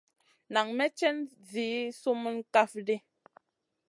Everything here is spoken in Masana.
Nan may cèn zi sumun kaf ɗi.